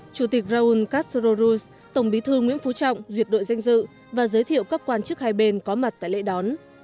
chủ tịch raúl castro ruz tổng bí thư nguyễn phú trọng duyệt đội danh dự và giới thiệu các quan chức hai bên có mặt tại lễ đón